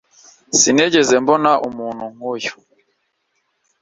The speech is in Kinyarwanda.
sinigeze mbona umuntu nkuyu